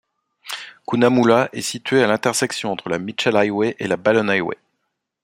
Cunnamulla est située à l'intersection entre la Mitchell Highway et la Balonne Highway.